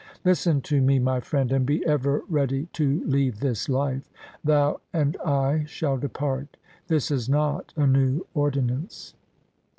Listen to me, my friend, and be ever ready to leave this life. Thou and I shall depart. This is not a new ordinance.'